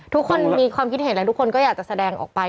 ทุกคนมีความคิดเห็นแล้วทุกคนก็อยากจะแสดงออกไป